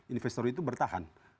investor itu bertahan